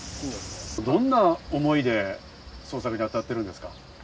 どんな思いで捜索に当たっているんですか？